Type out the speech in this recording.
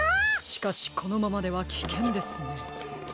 しかしこのままではきけんですね。